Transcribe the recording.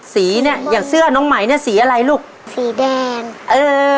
สีเนี้ยอย่างเสื้อน้องไหมเนี้ยสีอะไรลูกสีแดงเออ